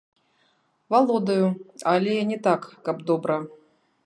Валодаю, але не так, каб добра.